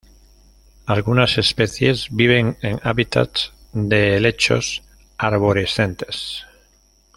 Algunas especies viven en hábitats de helechos arborescentes.